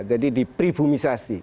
jadi di pribumisasi